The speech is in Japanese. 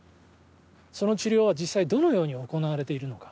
その治療は実際どのように行われているのか。